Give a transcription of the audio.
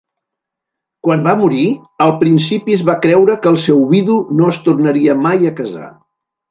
Quan va morir, al principi es va creure que el seu vidu no es tornaria mai a casar.